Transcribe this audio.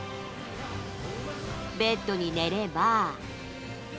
ベッドに寝れば。